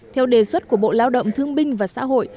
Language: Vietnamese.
theo đề xuất của bộ lao động thương binh và xã hội